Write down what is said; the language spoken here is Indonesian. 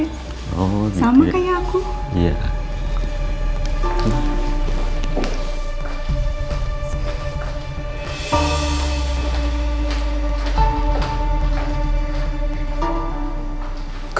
sama kayak aku